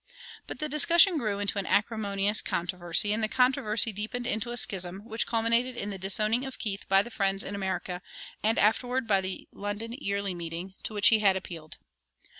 But the discussion grew into an acrimonious controversy, and the controversy deepened into a schism, which culminated in the disowning of Keith by the Friends in America, and afterward by the London Yearly Meeting, to which he had appealed.